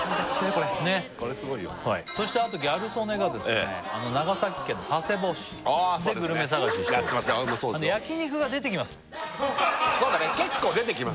これこれすごいよそしてあとギャル曽根が長崎県の佐世保市でグルメ探ししていますそうだね結構出てきます